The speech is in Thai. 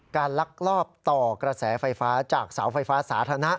ลักลอบต่อกระแสไฟฟ้าจากเสาไฟฟ้าสาธารณะ